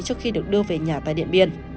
trước khi được đưa về nhà tại điện biên